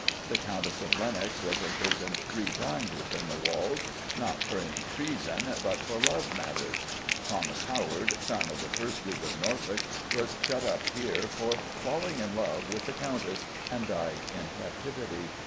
The Countess of Lennox was imprisoned three times within the walls, "not for any treason, but for love matters." Thomas Howard, son of the first Duke of Norfolk, was shut up here "for falling in love with the Countess," and died in captivity.